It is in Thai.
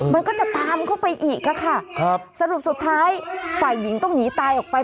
มันก็จะตามเข้าไปอีกค่ะครับสรุปสุดท้ายฝ่ายหญิงต้องหนีตายออกไป